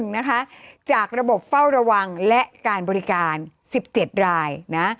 ๑นะคะจากระบบเฝ้าระวังและการบริการ๑๗รายนะ